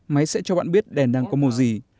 máy sẽ cho bạn biết đèn đang có mùa gì